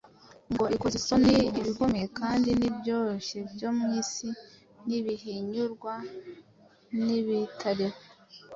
ngo ikoze isoni ibikomeye; kandi n’ibyoroheje byo mu isi n’ibihinyurwa n’ibitariho